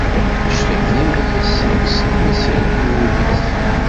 D annect-agi i as-ikksen asirem i wul-is.